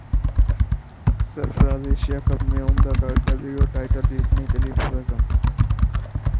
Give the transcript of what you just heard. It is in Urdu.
سرفراز ایشیا کپ میں عمدہ کارکردگی اور ٹائٹل جیتنے کیلئے پرعزم